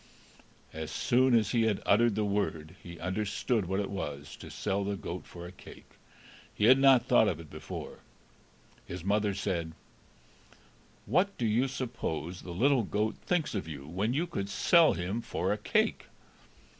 As soon as he had uttered the word, he understood what it was to sell the goat for a cake; he had not thought of it before. His mother said: "What do you suppose the little goat thinks of you, when you could sell him for a cake?"